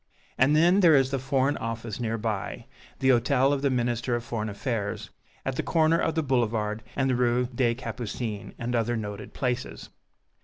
And then there is the Foreign Office near by, the Hôtel of the Minister of Foreign Affairs at the corner of the Boulevard and the Rue des Capucines, and other noted places.